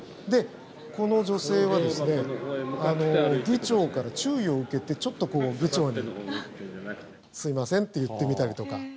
この女性は議長から注意を受けてちょっと議長にすいませんって言ってみたりとか。